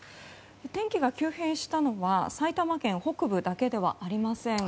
天気が急変したのは埼玉県北部だけではありません。